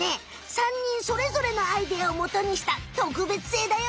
３にんそれぞれのアイデアをもとにしたとくべつせいだよ。